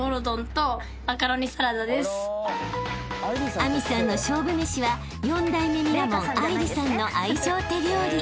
［明未さんの勝負めしは四代目ミラモン愛梨さんの愛情手料理］